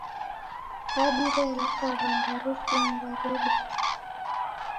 Kadi realika w'andu harusinyi raredwa